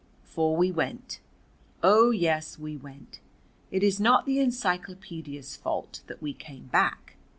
For we went. Oh, yes, we went. It is not the encyclopædia's fault that we came back.